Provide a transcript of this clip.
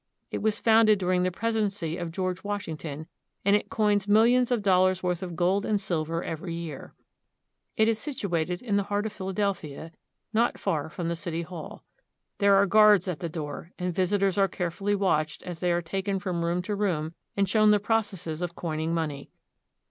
It was founded during the presidency of George Washing ton, and it coins millions of dollars' worth of gold and sil ver every year. It is situated in the heart of Philadelphia, 54 PHILADELPHIA. not far from the city hall. There are guards at the door, and visitors are carefully watched as they are taken from room to room and shown the processes of coining money.